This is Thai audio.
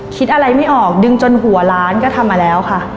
คิดอะไรไม่ออกดึงจนหัวล้านก็ทำมาแล้วค่ะ